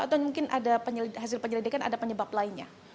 atau mungkin ada hasil penyelidikan ada penyebab lainnya